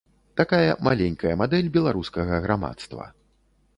Такая маленькая мадэль беларускага грамадства.